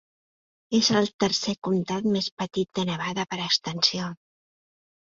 És el tercer comtat més petit de Nevada per extensió.